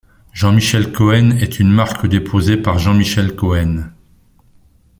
Jean-Michel Cohen est une marque déposée par Jean-Michel Cohen.